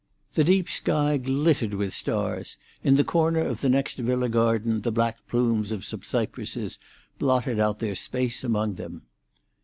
The deep sky glittered with stars; in the corner of the next villa garden the black plumes of some cypresses blotted out their space among them.